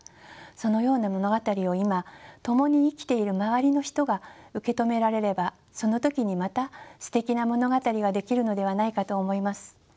そのような物語を今共に生きている周りの人が受け止められればその時にまたすてきな物語が出来るのではないかと思います。